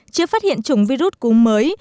chưa phát hiện chủng virus cúm mới